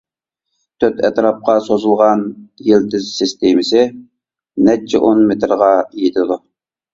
تۆت ئەتراپقا سوزۇلغان يىلتىز سىستېمىسى نەچچە ئون مېتىرغا يېتىدۇ.